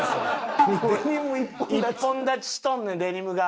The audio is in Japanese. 一本立ちしとんねんデニムが。